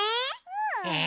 え！